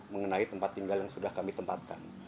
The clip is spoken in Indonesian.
mengenai tempat tinggal yang sudah kami tempatkan